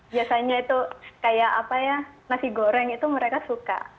biasanya itu kayak apa ya nasi goreng itu mereka suka